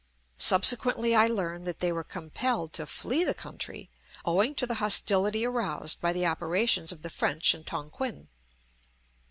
Subsequently I learn that they were compelled to flee the country, owing to the hostility aroused by the operations of the French in Tonquin.